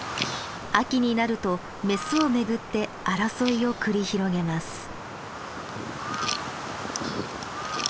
秋になるとメスを巡って争いを繰り広げます。